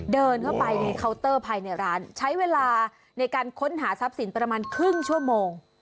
เดินเข้าไปในเคาน์เตอร์ภายในร้านใช้เวลาในการค้นหาทรัพย์สินประมาณครึ่งชั่วโมง